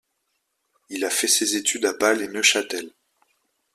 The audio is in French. Il a fait ses études à Bâle et Neuchâtel.